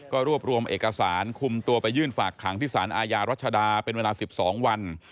ก็รวบรวมเอกสารคุมตัวไปยื่นฝากขังที่สารอาญารัชดาเป็นเวลา๑๒วัน